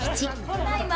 ただいま。